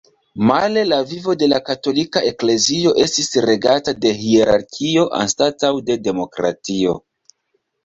Male la vivo de la katolika eklezio estis regata de hierarkio anstataŭ de demokratio.